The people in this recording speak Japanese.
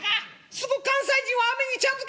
「すぐ関西人はアメにちゃんづけする」。